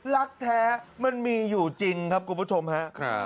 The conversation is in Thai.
ลักแท้มันมีอยู่จริงครับกลุ่มผู้ชมฮะ